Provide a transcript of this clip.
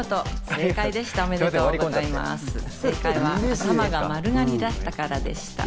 正解は頭が丸刈りだったからでした。